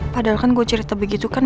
padahal kan gue cerita begitu kan